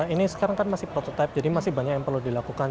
ini sekarang kan masih prototipe jadi masih banyak yang perlu dilakukan